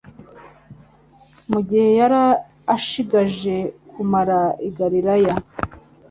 Mu gihe yari ashigaje kumara i Galilaya,